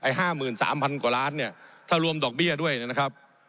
ผมอภิปรายเรื่องการขยายสมภาษณ์รถไฟฟ้าสายสีเขียวนะครับ